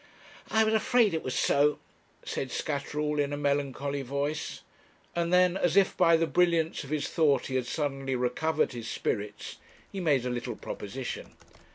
'I was afraid it was so,' said Scatterall, in a melancholy voice. And then, as if by the brilliance of his thought he had suddenly recovered his spirits, he made a little proposition.